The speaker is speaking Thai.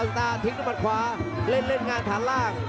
ลาซาตาทิ้งนุมัติขวาเล่นงานฐานล่าง